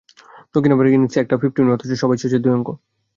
দক্ষিণ আফ্রিকার ইনিংসে একটাও ফিফটি নেই, অথচ সবাই ছুঁয়েছে দুই অঙ্ক।